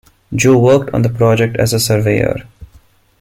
Joe worked on the project as a surveyor.